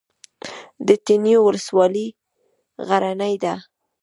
د تڼیو ولسوالۍ غرنۍ ده